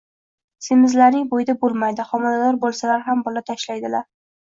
Semizlarning bo‘yida bo‘lmaydi, homilador bo‘lsalar ham bola tashlaydilar.